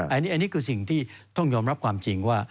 อันนี้คือสิ่งที่ต้องยอมรับความจริงว่า